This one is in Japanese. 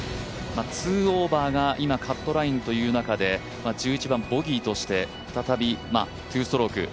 ２オーバーが今カットラインという中で１１番ボギーとして再び２ストローク。